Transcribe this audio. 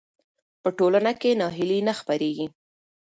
په ټولنه کې ناهیلي نه خپرېږي.